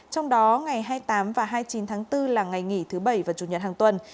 trong đó ngày hai mươi tám và hai mươi chín tháng bốn là ngày nghỉ thứ bảy và chủ nhật hàng tuần